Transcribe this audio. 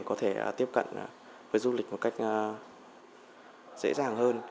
có thể tiếp cận với du lịch một cách dễ dàng hơn